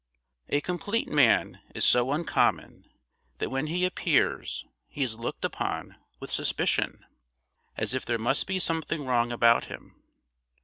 A complete man is so uncommon that when he appears he is looked upon with suspicion, as if there must be something wrong about him.